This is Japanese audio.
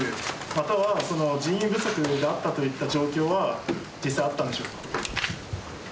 または人員不足であったという状況は実際あったんでしょうか。